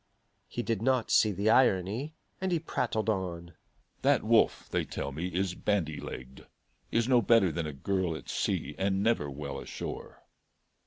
He did not see the irony, and he prattled on: "That Wolfe, they tell me, is bandy legged; is no better than a girl at sea, and never well ashore.